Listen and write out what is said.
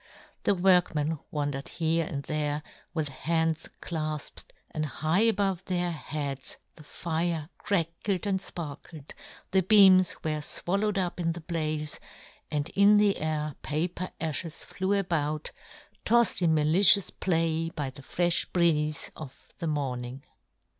The workmen wandered here and there, with hands clafped, and high above •their heads the fire crackled and fparkled, the beams were fwallowed up in the blaze, and in the air paper afhes flew about, tofled in malicious play by the frelh breeze of the morn ing.